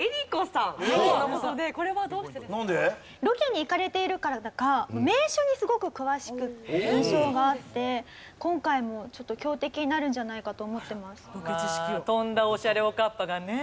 ロケに行かれているからか名所にすごく詳しい印象があって今回も強敵になるんじゃないかと思ってます。